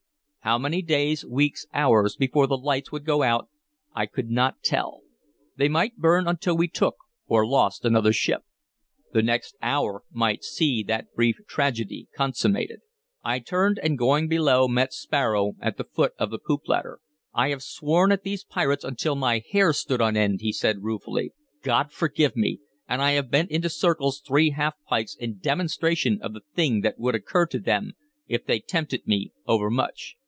How many days, weeks, hours, before the lights would go out, I could not tell: they might burn until we took or lost another ship; the next hour might see that brief tragedy consummated. I turned, and going below met Sparrow at the foot of the poop ladder. "I have sworn at these pirates until my hair stood on end," he said ruefully. "God forgive me! And I have bent into circles three half pikes in demonstration of the thing that would occur to them if they tempted me overmuch.